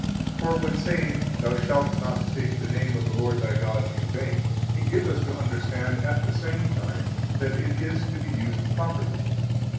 For when saying: Thou shalt not take the name of the Lord, thy God, in vain, He gives us to understand at the same time that it is to be used properly.